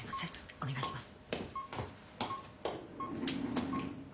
お願いします。